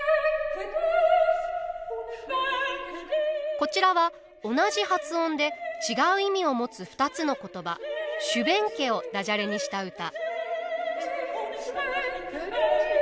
こちらは同じ発音で違う意味を持つ２つの言葉「シュヴェンケ」をダジャレにした歌。